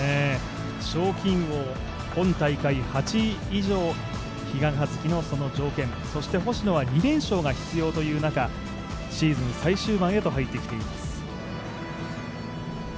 賞金王、今大会８位上比嘉一貴のその条件、そして星野は２連勝が必要という中シーズン最終盤へと入ってきています。